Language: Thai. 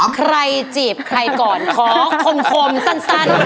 จีบใครก่อนขอคมสั้น